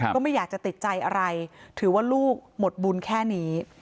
ก็ไม่อยากจะติดใจอะไรถือว่าลูกหมดบุญแค่นี้